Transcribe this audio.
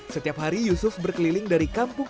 setiap hari yusuf berkeliling dari kampung